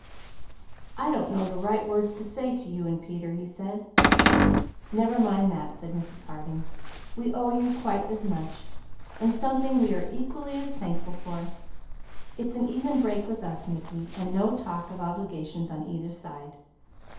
"I don't know the right words to say to you and Peter." "Never mind that," said Mrs. Harding. "We owe you quite as much, and something we are equally as thankful for. It's an even break with us, Mickey, and no talk of obligations on either side.